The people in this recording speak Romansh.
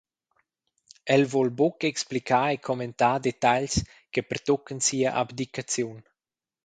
El vul buc explicar e commentar detagls che pertuccan sia abdicaziun.